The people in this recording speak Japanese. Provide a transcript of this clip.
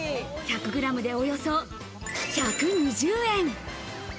１００グラムでおよそ１２０円。